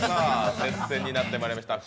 接戦になってまいりました。